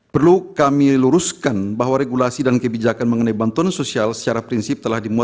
perlu kami luruskan bahwa regulasi dan kebijakan mengenai bantuan sosial secara prinsip telah dimulai